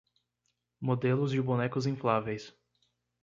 Modelos de bonecos infláveis